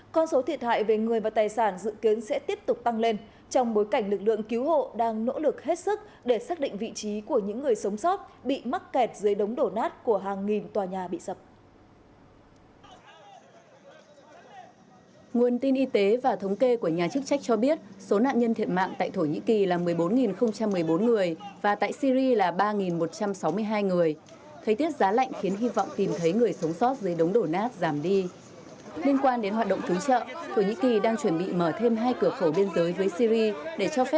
con số thiệt hại về người và tài sản dự kiến sẽ tiếp tục tăng lên trong bối cảnh lực lượng cứu hộ đang nỗ lực hết sức để xác định vị trí của những người sống sót bị mắc kẹt dưới đống đổ nát của hàng nghìn tòa nhà bị sập